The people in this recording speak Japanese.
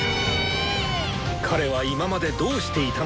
彼は今までどうしていたのか？